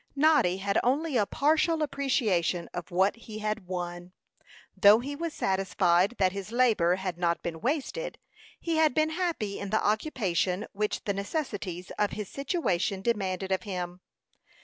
Noddy had only a partial appreciation of what he had "won," though he was satisfied that his labor had not been wasted. He had been happy in the occupation which the necessities of his situation demanded of him.